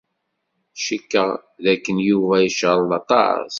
Cikkeɣ dakken Yuba icerreḍ aṭas.